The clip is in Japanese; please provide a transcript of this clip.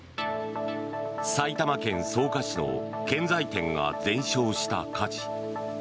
埼玉県草加市の建材店が全焼した火事。